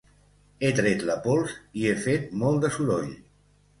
He tret la pols i he fet molt de soroll.